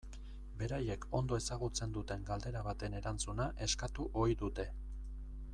Beraiek ondo ezagutzen duten galdera baten erantzuna eskatu ohi dute.